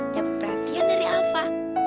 dapat perhatian dari alva